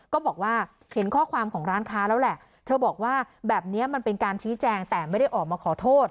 ก็บอกว่าเห็นข้อความของร้านค้าแล้วแหละเธอบอกว่าแบบนี้มันเป็นการชี้แจงแต่ไม่ได้ออกมาขอโทษ